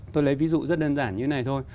tôi lấy ví dụ rất đơn giản như thế này thôi